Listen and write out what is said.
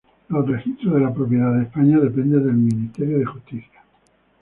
Los Registros de la Propiedad de España dependen del Ministerio de Justicia.